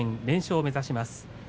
連勝を目指します。